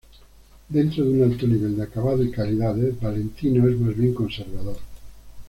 Dentro de un alto nivel de acabado y calidades, Valentino es más bien conservador.